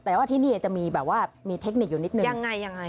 แต่ว่าที่นี่จะมีเทคนิคอยู่นิดนึง